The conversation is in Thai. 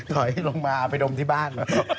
ถอยลงมาเอาไปดมที่บ้าน